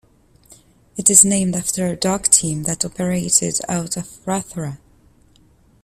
It is named after a dog team that operated out of Rothera.